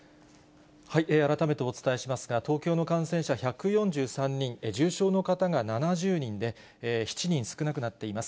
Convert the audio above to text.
改めてお伝えしますが、東京の感染者１４３人、重症の方が７０人で、７人少なくなっています。